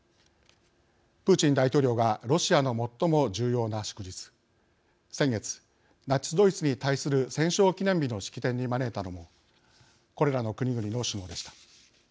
プーチン大統領がロシアの最も重要な祝日先月、ナチスドイツに対する戦勝記念日の式典に招いたのもこれらの国々の首脳でした。